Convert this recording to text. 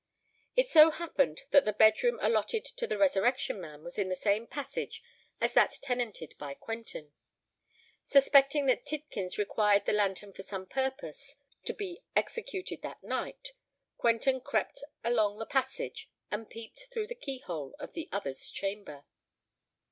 It so happened that the bed room allotted to the Resurrection Man was in the same passage as that tenanted by Quentin. Suspecting that Tidkins required the lantern for some purpose to be executed that night, Quentin crept along the passage, and peeped through the key hole of the other's chamber.